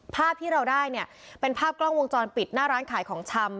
ภาพที่เราได้เนี่ยเป็นภาพกล้องวงจรปิดหน้าร้านขายของชำ